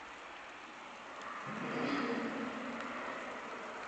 Meziříčí.